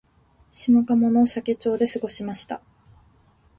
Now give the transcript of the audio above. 下鴨の社家町で過ごしました